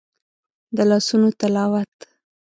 د لاسونو تلاوت